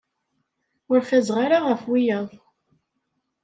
Ur fazeɣ ara ɣef wiyaḍ.